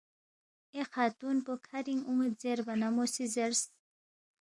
اے خاتون پو کھرِنگ اون٘ید زیربا نہ مو سی زیرس